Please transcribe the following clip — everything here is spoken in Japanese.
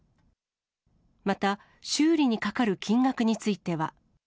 また、修理にかかる金額については。